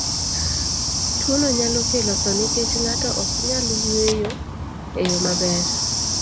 Tuwono nyalo kelo tho nikech ng'ato ok nyal yweyo e yo maber.